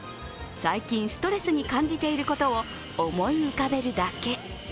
最近ストレスに感じていることを思い浮かべるだけ。